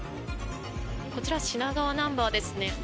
こちら、品川ナンバーですね。